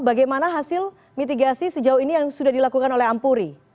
bagaimana hasil mitigasi sejauh ini yang sudah dilakukan oleh ampuri